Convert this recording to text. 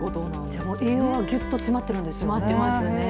じゃ、栄養がぎゅっと詰まっているんですね。